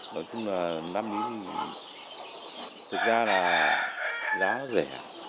nói chung là năm đấy thực ra là giá rẻ